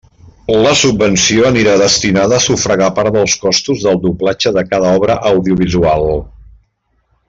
La subvenció anirà destinada a sufragar part dels costos del doblatge de cada obra audiovisual.